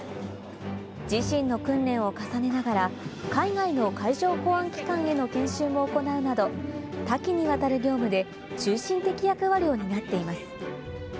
自身の訓練を重ねながら、海外の海上公安機関への研修も行うなど、多岐にわたる業務で中心的役割を担っています。